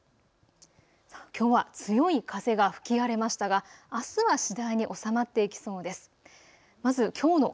きょうは強い風が吹き荒れましたがあすは次第に収まっていきそうです。